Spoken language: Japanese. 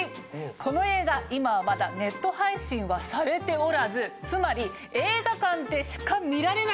この映画今はまだネット配信はされておらずつまり映画館でしか見られないんです！